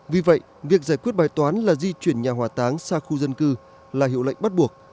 vì vậy việc giải quyết bài toán là di chuyển nhà hỏa táng xa khu dân cư là hiệu lệnh bắt buộc